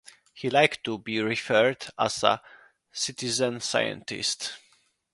He liked to be referred to as a "citizen-scientist".